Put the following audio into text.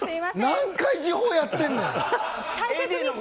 何回、時報やってんねん。